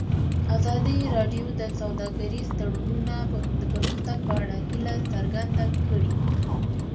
ازادي راډیو د سوداګریز تړونونه د پرمختګ په اړه هیله څرګنده کړې.